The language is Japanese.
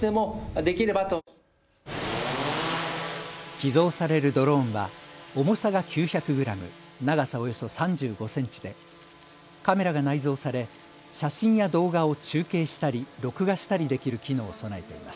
寄贈されるドローンは重さが９００グラム、長さおよそ３５センチでカメラが内蔵され、写真や動画を中継したり、録画したりできる機能を備えています。